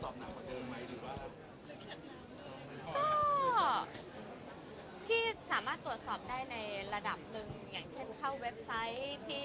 ก็สามารถตรวจสอบได้ในระดับหนึ่งอย่างเช่นเข้าเว็บไซต์ที่